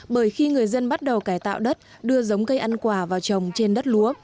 bởi khi người dân bắt đầu cải tạo đất đưa giống cây ăn quả vào trồng trên đất lúa